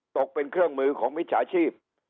ตกเป็นเครื่องมือของมิจฉาชีพ